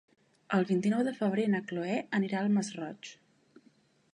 El vint-i-nou de febrer na Cloè anirà al Masroig.